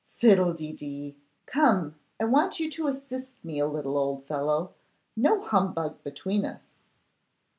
'Fiddlededee! Come! I want you to assist me a little, old fellow. No humbug between us.